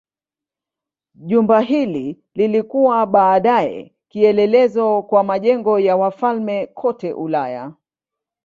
Jumba hili lilikuwa baadaye kielelezo kwa majengo ya wafalme kote Ulaya.